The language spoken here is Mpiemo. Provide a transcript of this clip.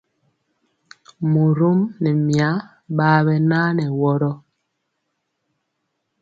Morom nɛ mya ɓaa ɓɛ naa nɛ wɔrɔ.